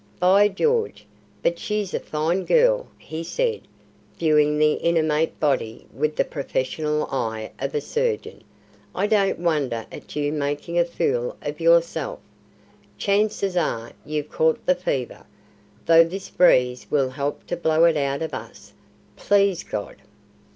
"By George, but she's a fine girl!" he said, viewing the inanimate body with the professional eye of a surgeon. "I don't wonder at you making a fool of yourself. Chances are, you've caught the fever, though this breeze will help to blow it out of us, please God.